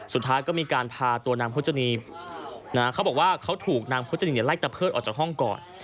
สุดท้ายก็มีการพาตัวนางพจนีเขาบอกว่าเขาถูกนางพจนีไล่ตะเพิดออกจากห้องก่อน